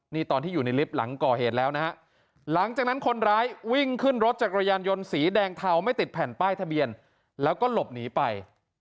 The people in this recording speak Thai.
นี่ตอนที่อยู่ในลิฟต์หลังก่อเหตุแล้วนะฮะหลังจากนั้นคนร้ายวิ่งขึ้นรถจักรยานยนต์สีแดงเทาไม่ติดแผ่นป้ายทะเบียนแล้วก็หลบหนีไป